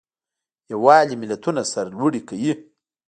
یووالی ملتونه سرلوړي کوي.